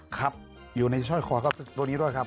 ครับอยู่ในสร้อยคอก็ว่านี้ด้วยครับ